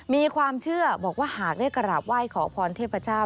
มีความเชื่อบอกว่าหากได้กราบไหว้ขอพรเทพเจ้า